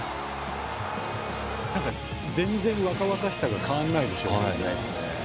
全然若々しさが変わらないですよね。